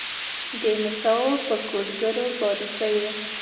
د نڅاوو په کوډګرو باریکېو